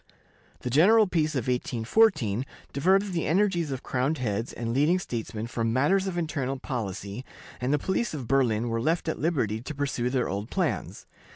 The general peace of 1814 diverted the energies of crowned heads and leading statesmen from matters of internal policy, and the police of Berlin were left at liberty to pursue their old plans.